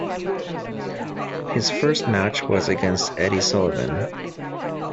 His first match was against Eddie Sullivan.